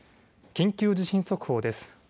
緊急地震速報です。